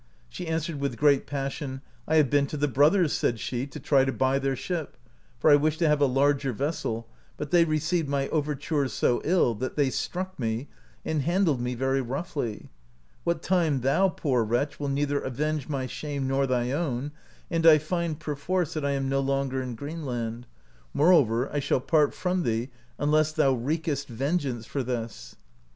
She answered, with great passion : "I have been to the brothers," said she, "to try to buy their ship, for I wish to have a larger vessel, but they received my overtures so ill, that they struck me, and handled me very roughly ; what time thou, poor wretch, will neither avenge my shame nor thy own, and I find, perforce, that I am no longer in Greenland; moreover I shall part from thee unless thou wreakest vengeance for this."